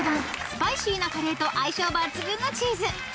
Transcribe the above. ［スパイシーなカレーと相性抜群のチーズ］